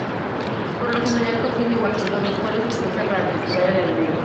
Por lo general, contiene guijarros, los cuales utiliza para triturar el alimento.